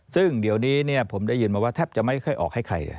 ซึ่งเดี๋ยวนี้ผมได้ยินมาว่าแทบจะไม่ค่อยออกให้ใครเลย